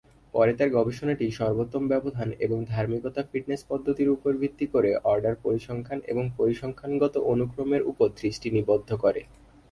পরে তার গবেষণাটি সর্বোত্তম ব্যবধান এবং ধার্মিকতা-ফিটনেস পদ্ধতির উপর ভিত্তি করে অর্ডার পরিসংখ্যান এবং পরিসংখ্যানগত অনুক্রমের উপর দৃষ্টি নিবদ্ধ করে।